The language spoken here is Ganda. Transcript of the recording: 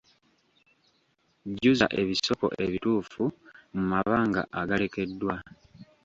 Jjuza ebisoko ebituufu mu mabanga agalekeddwa.